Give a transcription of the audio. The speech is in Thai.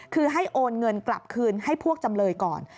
คือให้โอนเงินกลับคืนให้พวกจำเลยก่อน